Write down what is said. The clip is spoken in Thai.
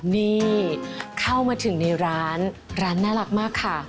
นี่เข้ามาถึงในร้านร้านน่ารักมากค่ะ